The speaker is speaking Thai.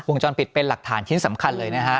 จรปิดเป็นหลักฐานชิ้นสำคัญเลยนะฮะ